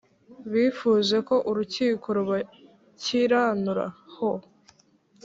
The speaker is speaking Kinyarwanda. bifuje ko Urukiko rubakiranuraho